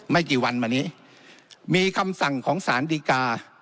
ไม่กี่วันมานี้มีคำสั่งของสารดีกา